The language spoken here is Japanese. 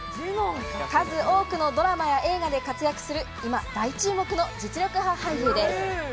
数多くのドラマや映画で活躍する、今、大注目の実力派俳優です。